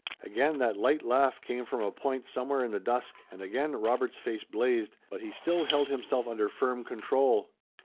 Again that light laugh came from a point somewhere in the dusk and again Robert's face blazed, but he still held himself under firm control.